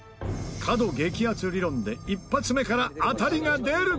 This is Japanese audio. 角激アツ理論で１発目から当たりが出るか？